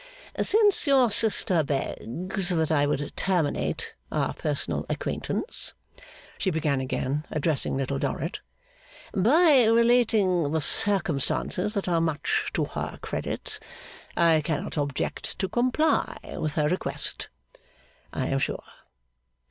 'Since your sister begs that I would terminate our personal acquaintance,' she began again, addressing Little Dorrit, 'by relating the circumstances that are much to her credit, I cannot object to comply with her request, I am sure.